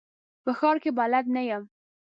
په ښار کي بلد نه یم .